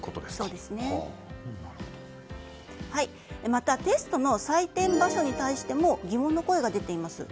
また、テストの採点場所に対しても疑問の声が出ています。